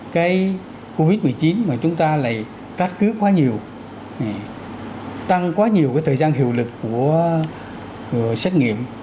cái covid một mươi chín mà chúng ta lại cắt cứ quá nhiều tăng quá nhiều cái thời gian hiệu lực của xét nghiệm